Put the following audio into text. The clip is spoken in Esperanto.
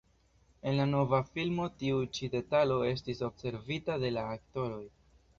En la nova filmo tiu ĉi detalo estis observita de la aktoroj.